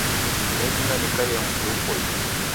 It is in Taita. Nekunda nikaie mvi upoie